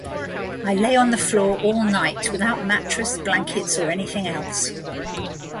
I lay on the floor all night without mattress, blankets or anything else.